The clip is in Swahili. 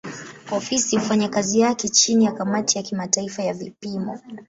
Ofisi hufanya kazi yake chini ya kamati ya kimataifa ya vipimo.